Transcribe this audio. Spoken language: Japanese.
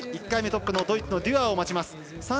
１回目トップのドイツのデュアーを待ちます。